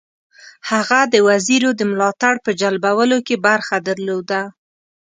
هغه د وزیرو د ملاتړ په جلبولو کې برخه درلوده.